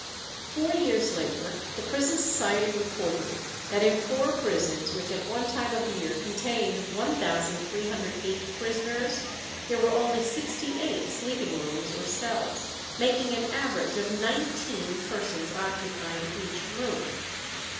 Four years later the Prison Society reported that in four prisons, which at one time of the year contained 1308 prisoners, there were only sixty eight sleeping rooms or cells, making an average of nineteen persons occupying each room.